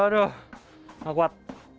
aduh tidak kuat